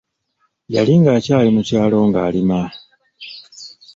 Yali akyali mu kyalo nga alima..